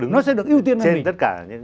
nó sẽ được ưu tiên hơn mình